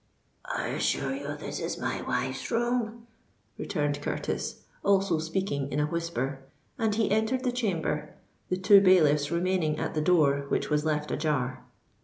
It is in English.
"I assure you this is my wife's room," returned Curtis, also speaking in a whisper; and he entered the chamber, the two bailiffs remaining at the door, which was left ajar.